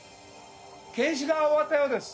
検視が終わったようです。